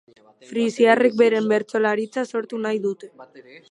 Frisiarrek beren bertsolaritza sortu nahi dute.